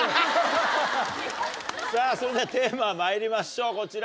さぁそれではテーマまいりましょうこちら。